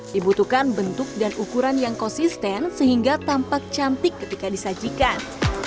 dibutuhkan bentuk dan ukuran yang konsisten sehingga tampak cantik ketika disajikan